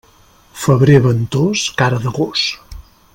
Febrer ventós, cara de gos.